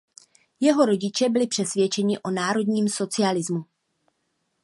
Jeho rodiče byli přesvědčeni o národním socialismu.